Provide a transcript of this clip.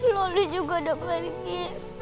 loli juga udah pergi